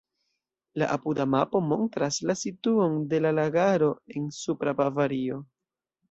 La apuda mapo montras la situon de la lagaro en Supra Bavario.